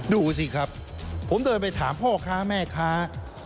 ดูสิครับผมเดินไปถามพ่อค้าแม่ค้า